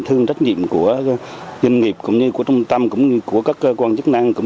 thương trách nhiệm của doanh nghiệp cũng như của trung tâm cũng như của các cơ quan chức năng cũng